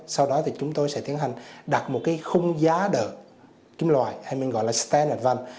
sau đó thì chúng tôi sẽ tiến hành đặt một cái khung giá đợt kim loại hay mình gọi là standard văn